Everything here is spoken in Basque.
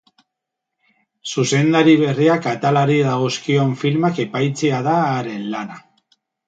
Zuzendari berriak atalari dagozkion filmak epaitzea da haren lana.